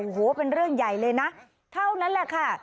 โอ้โหเป็นเรื่องใหญ่เลยนะเท่านั้นแหละค่ะ